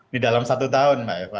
di dalam satu tahun mbak eva